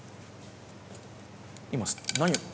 今何を？